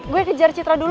gue kejar citra dulu